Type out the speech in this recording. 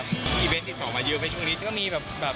มีอีเวนต์ที่กล่อมาเยอะไปช่วงนี้